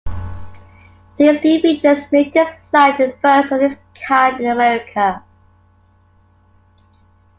These new features make this slide the first of its kind in America.